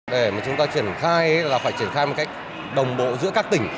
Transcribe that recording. để mà chúng ta chuyển khai là phải chuyển khai một cách đồng bộ giữa các tỉnh